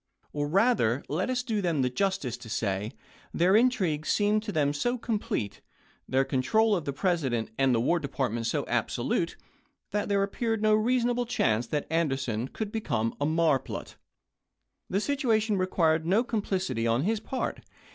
Or rather, let us do them the justice to say, their intrigue seemed to them so complete, their control of the President and the War Department so abso lute, that there appeared no reasonable chance that Anderson could become a marplot. The situation required no complicity on his part.